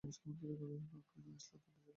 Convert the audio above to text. আপনি না আসলে অন্তত ছেলে দুটো বেঁচে থাকতো।